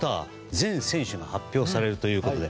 全選手が発表されるというこで。